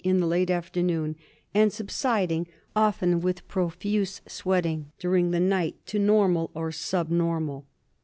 in the late afternoon, and subsiding, often with profuse sweating, during the night to normal or sub normal.